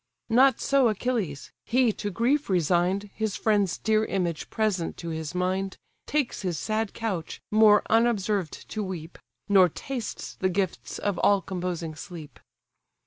Not so Achilles: he, to grief resign'd, His friend's dear image present to his mind, Takes his sad couch, more unobserved to weep; Nor tastes the gifts of all composing sleep.